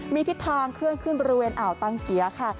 มีทิศทางเคลื่อนขึ้นบริเวณอ่าวตังเกียร์ค่ะ